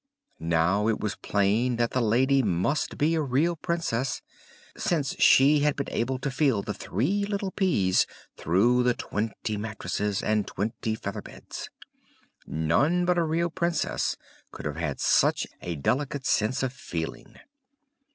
Now it was plain that the lady must be a real Princess, since she had been able to feel the three little peas through the twenty mattresses and twenty feather beds. None but a real Princess could have had such a delicate sense of feeling.